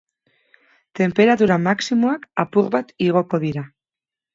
Tenperatura maximoak apur bat igoko dira.